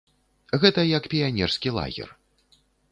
Гэта як піянерскі лагер.